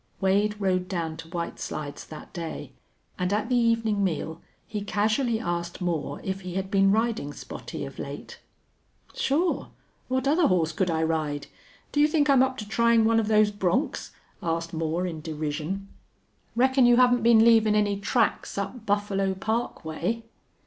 Wade rode down to White Slides that day, and at the evening meal he casually asked Moore if he had been riding Spottie of late. "Sure. What other horse could I ride? Do you think I'm up to trying one of those broncs?" asked Moore, in derision. "Reckon you haven't been leavin' any tracks up Buffalo Park way?"